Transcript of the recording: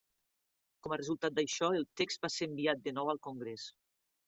Com a resultat d'això, el text va ser enviat de nou al Congrés.